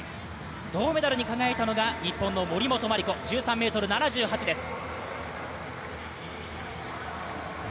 銅メダルに輝いたのが日本の森本麻里子１３ｍ７８です。